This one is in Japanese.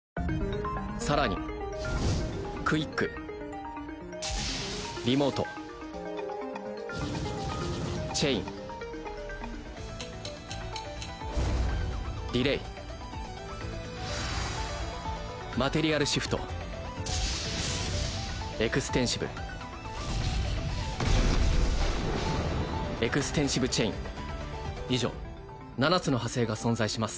さらにクイックリモートチェインディレイマテリアルシフトエクステンシブエクステンシブチェイン以上七つの派生が存在します